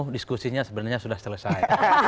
diskusinya sebenarnya sudah selesai